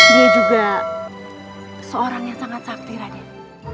dia juga seorang yang sangat sakti raden